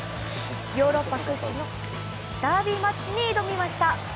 ヨーロッパ屈指のダービーマッチに挑みました。